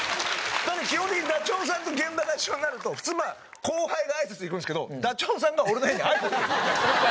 基本的にダチョウさんと現場が一緒になると普通まあ後輩があいさつに行くんですけどダチョウさんが俺の部屋にあいさつに来るんですよ。